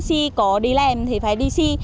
xì cổ đi làm thì phải đi xì